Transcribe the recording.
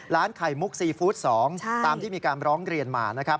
ไข่มุกซีฟู้ด๒ตามที่มีการร้องเรียนมานะครับ